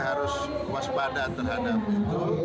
harus waspada terhadap itu